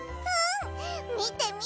みてみて！